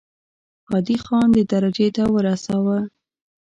عادي خان درجې ته ورساوه.